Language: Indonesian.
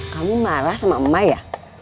kamu marah sama emak ya